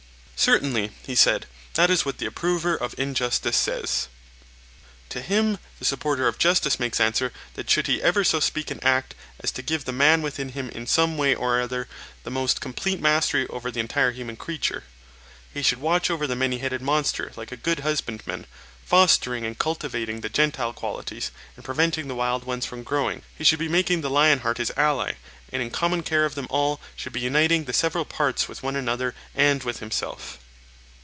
Certainly, he said; that is what the approver of injustice says. To him the supporter of justice makes answer that he should ever so speak and act as to give the man within him in some way or other the most complete mastery over the entire human creature. He should watch over the many headed monster like a good husbandman, fostering and cultivating the gentle qualities, and preventing the wild ones from growing; he should be making the lion heart his ally, and in common care of them all should be uniting the several parts with one another and with himself.